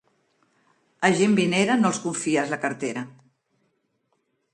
A gent vinera no els confies la cartera.